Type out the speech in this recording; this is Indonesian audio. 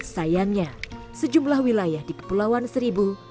sayangnya sejumlah wilayah di kepulauan seribu